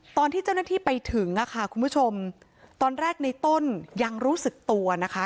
ตอนที่เจ้าหน้าที่ไปถึงค่ะคุณผู้ชมตอนแรกในต้นยังรู้สึกตัวนะคะ